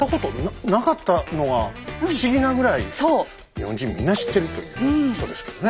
日本人みんな知っているという人ですけどね。